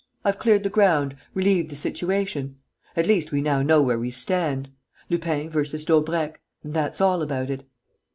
I've cleared the ground, relieved the situation.... At least, we now know where we stand. Lupin versus Daubrecq; and that's all about it.